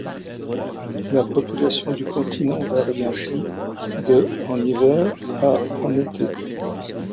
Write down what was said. La population du continent varie ainsi de en hiver à en été.